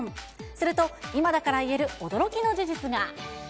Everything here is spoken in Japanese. すると、今だから言える驚きの事実が。